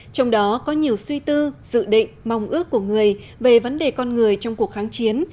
trong đó có nhiều suy tư dự định mong ước của người về vấn đề con người trong cuộc kháng chiến